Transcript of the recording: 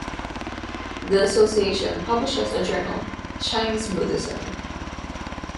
The association publishes a journal, "Chinese Buddhism".